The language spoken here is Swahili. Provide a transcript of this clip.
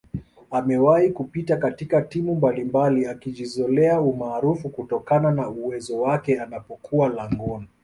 amewahi kupita katika timu mbalimbali akijizoelea umaarufu kutokana na uwezowake anapokuwa langoni